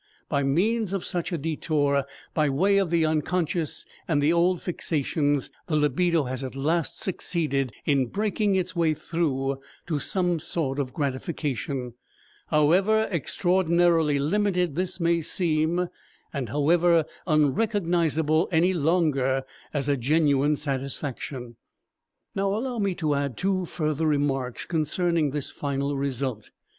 By means of such a detour by way of the unconscious and the old fixations, the libido has at last succeeded in breaking its way through to some sort of gratification, however extraordinarily limited this may seem and however unrecognizable any longer as a genuine satisfaction. Now allow me to add two further remarks concerning this final result.